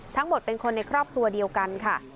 ทั้งหมดเป็นคนในครอบครัวเดียวกันค่ะ